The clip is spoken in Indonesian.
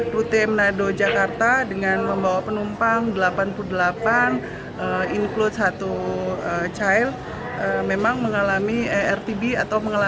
rute manado jakarta dengan membawa penumpang delapan puluh delapan include satu chile memang mengalami rtb atau mengalami